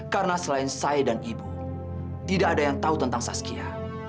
karena selain saya dan ibu tidak ada yang tahu tentang saskia